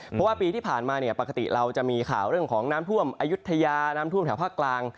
เพราะว่าปีที่ผ่านมาเนี่ยปกติเราจะมีข่าวเรื่องของน้ำท่วมอายุทยาน้ำท่วมแถวภาคกลาง